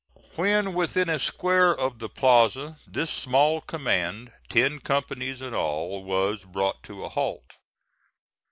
When within a square of the plaza this small command, ten companies in all, was brought to a halt.